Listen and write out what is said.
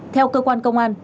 theo cơ quan công an